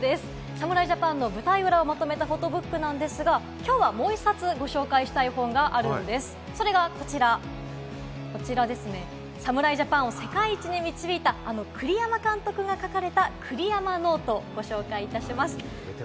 侍ジャパンの舞台裏をまとめたフォトブックですが、今日はもう１冊ご紹介したい本があります、こちら、侍ジャパンを世界一に導いた栗山監督が書かれた『栗山ノート』をご紹介します。